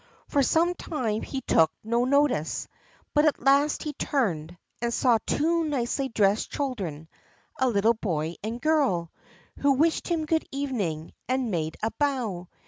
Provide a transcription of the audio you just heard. For some time he took no notice, but at last he turned, and saw two nicely dressed children, a little boy and girl, who wished him good evening and made a bow.